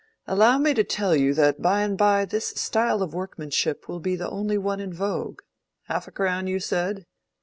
Allow me to tell you that by and by this style of workmanship will be the only one in vogue—half a crown, you said?